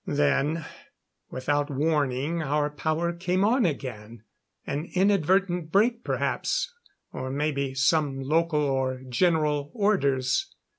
Then, without warning, our power came on again. An inadvertent break perhaps; or maybe some local or general orders.